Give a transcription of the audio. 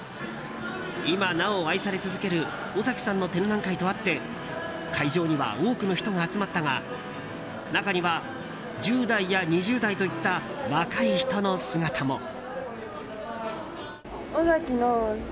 今なお愛され続ける尾崎さんの展覧会とあって会場には、多くの人が集まったが中には１０代や２０代といった若い人の姿も。